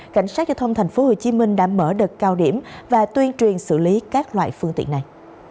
cảnh sát giao thông tp hcm đã mở đợt cao điểm và tuyên truyền xử lý các loại phương tiện này